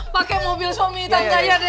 pakai mobil suami tante iya dek